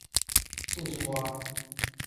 素兴花